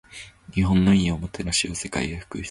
日本の良いおもてなしを世界へ普及する